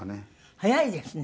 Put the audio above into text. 早いですね。